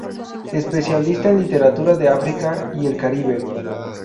Especialista en literatura de África y el Caribe.